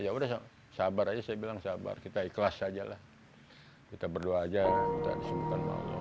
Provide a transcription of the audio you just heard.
ya udah sabar aja saya bilang sabar kita ikhlas sajalah kita berdoa aja